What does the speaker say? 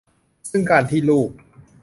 ซึ่งการที่ลูก